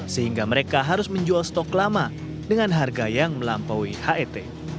sehingga mereka harus menjual stok lama dengan harga yang melampaui het